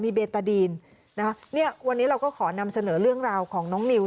มีเบตาดีนวันนี้เราก็ขอนำเสนอเรื่องราวของน้องนิว